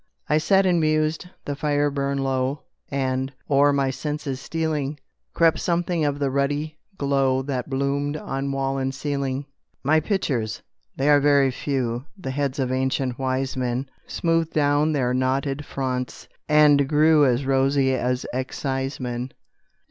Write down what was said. I sat and mused; the fire burned low, And, o'er my senses stealing, Crept something of the ruddy glow That bloomed on wall and ceiling; My pictures (they are very few, The heads of ancient wise men) Smoothed down their knotted fronts, and grew As rosy as excisemen.